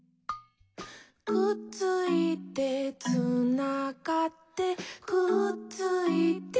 「くっついて」「つながって」「くっついて」